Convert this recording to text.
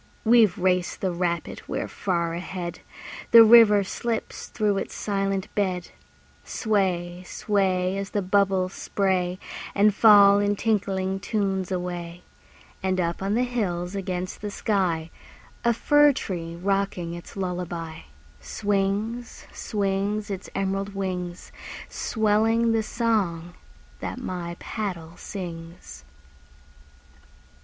We've raced the rapid, we're far ahead! The river slips through its silent bed. Sway, sway, As the bubbles spray And fall in tinkling tunes away. And up on the hills against the sky, A fir tree rocking its lullaby, Swings, swings, Its emerald wings, Swelling the song that my paddle sings.